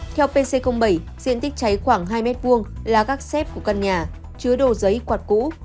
theo pc bảy diện tích cháy khoảng hai m hai là các xếp của căn nhà chứa đồ giấy quạt cũ